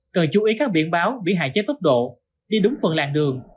cần chú ý các biện báo bị hại chết tốc độ đi đúng phần làng đường